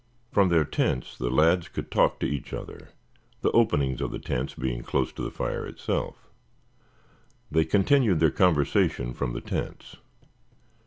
From their tents the lads could talk to each other, the openings of the tents being close to the fire itself. They continued their conversation from the tents.